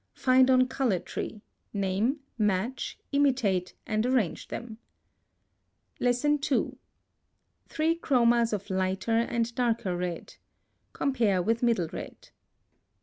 Find on Color Tree, name, match, imitate, and arrange them. 2. THREE CHROMAS of LIGHTER and DARKER RED. Compare with middle red.